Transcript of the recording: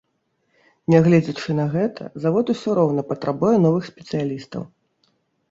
Нягледзячы на гэта, завод усё роўна патрабуе новых спецыялістаў.